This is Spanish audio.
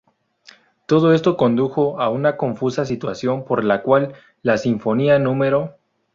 Todo esto condujo a una confusa situación por la cual la "Sinfonía núm.